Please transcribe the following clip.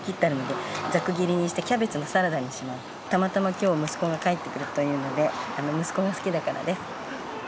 たまたま今日息子が帰ってくるというので息子が好きだからです。